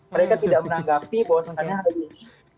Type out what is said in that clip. mereka tidak menganggapi bahwasanya ada bem